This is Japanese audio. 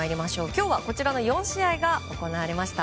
今日はこちらの４試合が行われました。